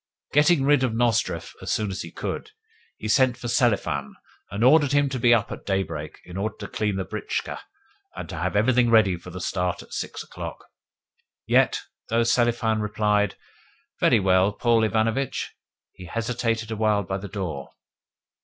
Getting rid of Nozdrev as soon as he could, he sent for Selifan, and ordered him to be up at daybreak, in order to clean the britchka and to have everything ready for a start at six o'clock. Yet, though Selifan replied, "Very well, Paul Ivanovitch," he hesitated awhile by the door.